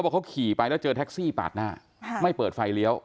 เขาขี่ไปแล้วเจอแท็กซี่ปาดหน้าไม่เปิดไฟเลี้ยว